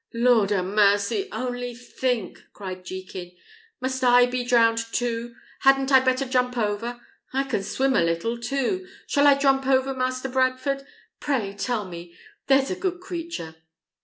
"Lord 'a mercy! only think!" cried Jekin. "Must I be drowned too? Hadn't I better jump over? I can swim a little too. Shall I jump over, Master Bradford? Pray tell me there's a good creature!"